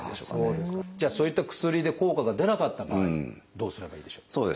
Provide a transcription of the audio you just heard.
じゃあそういった薬で効果が出なかった場合どうすればいいでしょう？